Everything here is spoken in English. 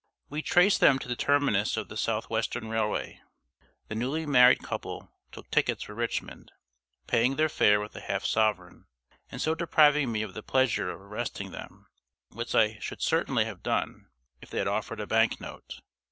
We traced them to the terminus of the Southwestern Railway. The newly married couple took tickets for Richmond, paying their fare with a half sovereign, and so depriving me of the pleasure of arresting them, which I should certainly have done if they had offered a bank note.